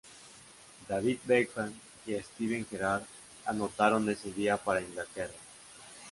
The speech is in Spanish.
David Beckham y Steven Gerrard anotaron ese día para Inglaterra.